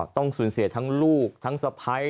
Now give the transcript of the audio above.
ต้องสูญเสียทั้งลูกทั้งสะพ้าย